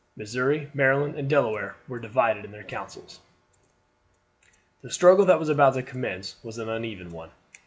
Missouri, Maryland, and Delaware were divided in their counsels. The struggle that was about to commence was an uneven one.